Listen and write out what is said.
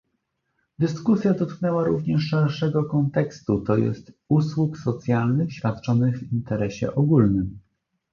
Dyskusja dotknęła również szerszego kontekstu, to jest usług socjalnych świadczonych w interesie ogólnym